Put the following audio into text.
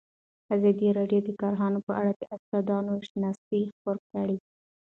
ازادي راډیو د کرهنه په اړه د استادانو شننې خپرې کړي.